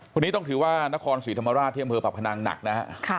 วันนี้ต้องถือว่านครสวีธรรมราชที่อำเมอร์ปรับขนางหนัก